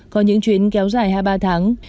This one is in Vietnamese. có những chuyến kéo dài hai mươi ba tháng